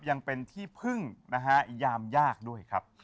ยังเป็นที่พึ่งนะฮะยามยากด้วยครับ